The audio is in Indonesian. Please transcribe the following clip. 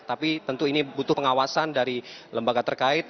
tapi tentu ini butuh pengawasan dari lembaga terkait